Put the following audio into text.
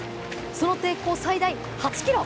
その抵抗、最大８ｋｇ。